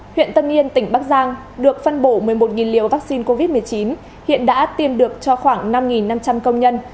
huyện tân yên tỉnh bắc giang được phân bổ một mươi một liều vaccine covid một mươi chín hiện đã tiêm được cho khoảng năm năm trăm linh công nhân